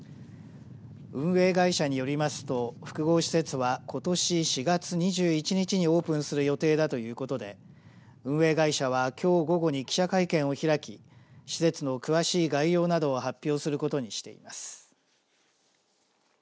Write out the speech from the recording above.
運営会社によりますと複合施設は、ことし４月２１日にオープンする予定だということで運営会社はきょう午後に記者会見を開き施設の詳しい概要などを発表することにしています。